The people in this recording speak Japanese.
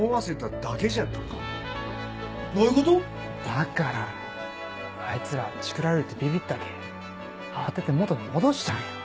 だからあいつらチクられるってビビったけぇ慌てて元に戻したんよ。